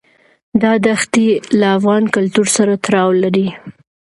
دا دښتې له افغان کلتور سره تړاو لري.